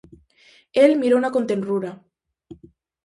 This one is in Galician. El mirouna con tenrura.